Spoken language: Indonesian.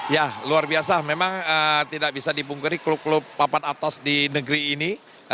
ya luar biasa memang tidak bisa dipungkiri klub klub papan atas di negeri ini